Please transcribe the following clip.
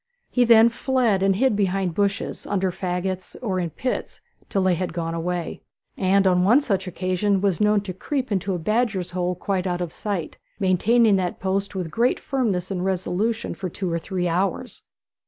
He then fled and hid behind bushes, under faggots, or in pits till they had gone away; and on one such occasion was known to creep into a badger's hole quite out of sight, maintaining that post with great firmness and resolution for two or three hours.